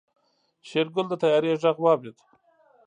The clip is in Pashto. شېرګل د طيارې غږ واورېد.